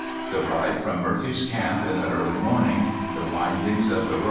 The ride from INIurphy's C'amp in the early morning ; the windings of the r. .